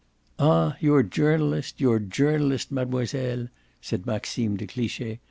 "Ah your journalist, your journalist, mademoiselle!" said Maxime de Cliche.